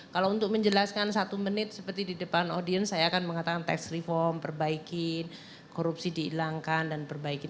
kalau untuk menjelaskan satu menit seperti di depan audiens saya akan mengatakan tax reform perbaikin korupsi dihilangkan dan perbaikin